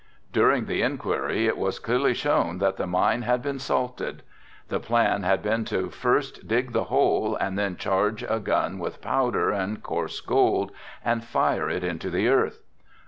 During the inquiry it was clearly shown that the mine had been salted. The plan had been to first dig the hole and then charge a gun with powder and coarse gold and fire it into the earth.